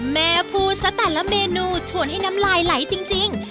แม่พูดซะแต่ละเมนูชวนให้น้ำลายไหลจริง